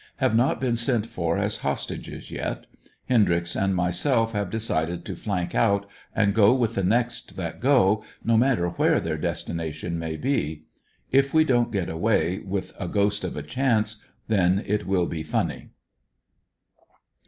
Have not been sent for as host ages yet. Hendryx and myself have decided to flank out and go with the next that go, no matter where their destination may be. If we don't get away, with a ghost of a chance, then it will be funny.